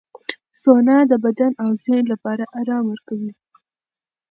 سونا د بدن او ذهن لپاره آرام ورکوي.